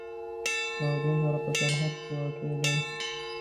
له اردن سره په سرحد کې واقع ده.